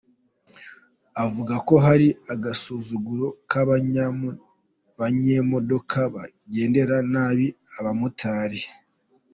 Avuga ko hari agasuzuguro k’abanyemodoka bagendera nabi abamotari.